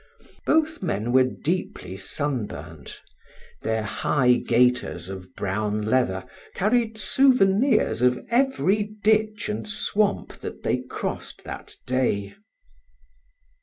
Both men were deeply sunburnt. Their high gaiters of brown leather carried souvenirs of every ditch and swamp that they crossed that day.